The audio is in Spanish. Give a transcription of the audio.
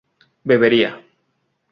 bebería